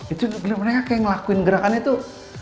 itu mereka kayak ngelakuin gerakannya tuh